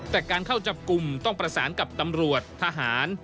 แต่การเข้าจับกลุ่มต้องประสานกับตำรวจทหาร